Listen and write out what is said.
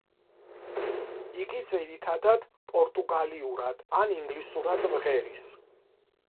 იგი ძირითადად პორტუგალიურად ან ინგლისურად მღერის.